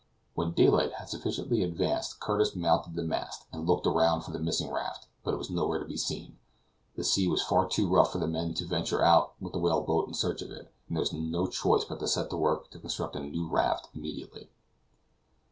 When daylight had sufficiently advanced Curtis mounted the mast, and looked around for the missing raft; but it was nowhere to be seen. The sea was far too rough for the men to venture to take out the whale boat in search of it, and there was no choice but to set to work and to construct a new raft immediately.